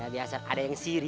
biasa ada yang siri